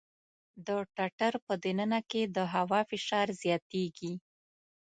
د ټټر په د ننه کې د هوا فشار زیاتېږي.